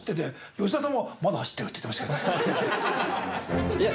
吉沢さんも「まだ走ってる」って言ってましたけど。